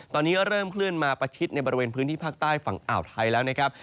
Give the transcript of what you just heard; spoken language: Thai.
ตอนนี้เริ่มเคลื่อนมาประชิดในบริเวณพื้นที่ภาคใต้ฝั่งอ่าวไทยแล้วนะครับ